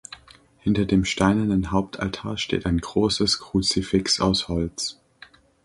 Hinter dem steinernen Hauptaltar steht ein großes Kruzifix aus Holz.